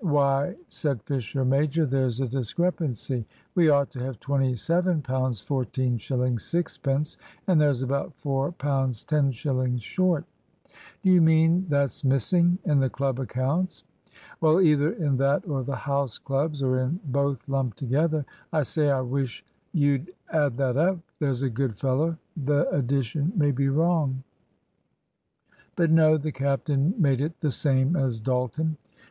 "Why," said Fisher major, "there's a discrepancy. We ought to have £27 14 shillings 6 pence, and there's about £4 10 shillings short." "Do you mean that's missing in the Club accounts?" "Well, either in that or the House clubs, or in both lumped together. I say, I wish you'd add that up, there's a good fellow. The addition may be wrong." But no; the captain made it the same as Dalton.